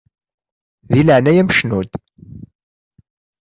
Di leɛnaya-m cnu-d!